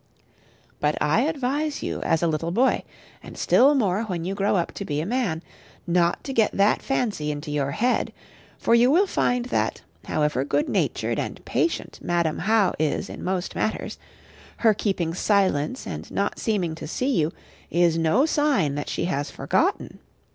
But I advise you as a little boy, and still more when you grow up to be a man, not to get that fancy into your head; for you will find that, however good natured and patient Madam How is in most matters, her keeping silence and not seeming to see you is no sign that she has forgotten.